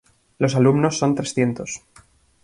Los alumnos son trescientos.